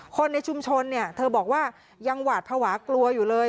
คนในชุมชนเนี่ยเธอบอกว่ายังหวาดภาวะกลัวอยู่เลย